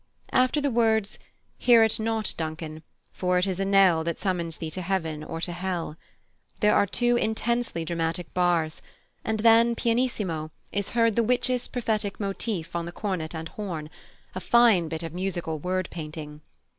After the words, "Hear it not, Duncan; for it is a knell That summons thee to Heaven or to Hell," there are two intensely dramatic bars; and then, pianissimo, is heard the Witches' prophetic motif on the cornet and horn a fine bit of musical word painting.